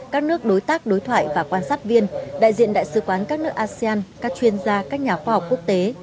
các nước đối tác đối thoại và quan sát viên đại diện đại sứ quán các nước asean các chuyên gia các nhà khoa học quốc tế